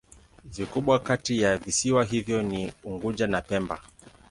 Vikubwa kati ya visiwa hivyo ni Unguja na Pemba.